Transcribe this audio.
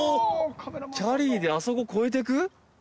キャリーであそここえてく？